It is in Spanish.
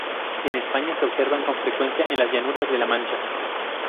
En España, se observan con frecuencia en las llanuras de La Mancha.